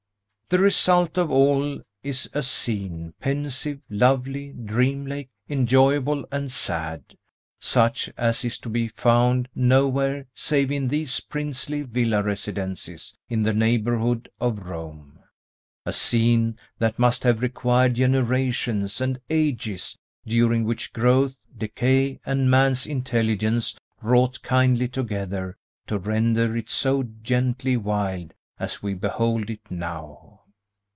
The result of all is a scene, pensive, lovely, dreamlike, enjoyable and sad, such as is to be found nowhere save in these princely villa residences in the neighborhood of Rome; a scene that must have required generations and ages, during which growth, decay, and man's intelligence wrought kindly together, to render it so gently wild as we behold it now.